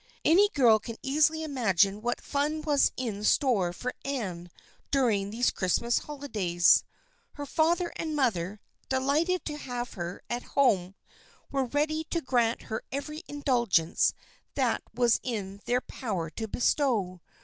Any girl can easily imagine what fun was in store for Anne during these Christmas holidays. Her father and mother, delighted to have her at home, were ready to grant her every indulgence that was in their power to bestow.